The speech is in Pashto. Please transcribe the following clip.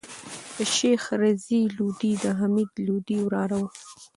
شېخ رضي لودي دحمید لودي وراره وو.